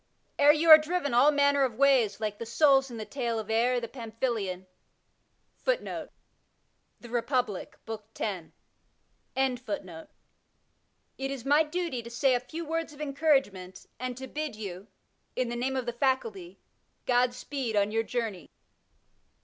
Ere you are driven all manner of ways, like the souls in the tale of Er the Pamphylian,' it is my duty to say a few words of encouragement and to bid you, in the name of the Faculty, God speed on your journey.